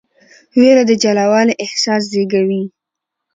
ویره د جلاوالي احساس زېږوي.